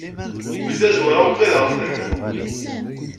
Di tazzwara ugadeɣ-ten.